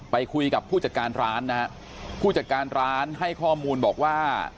ไปคุยกับผู้จัดการร้านนะฮะผู้จัดการร้านให้ข้อมูลบอกว่า